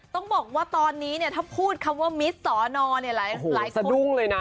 ต้องบอกว่าตอนนี้ถ้าพูดคำว่ามิสต์ศรเนี่ยหลายคนศรดุ้งเลยนะ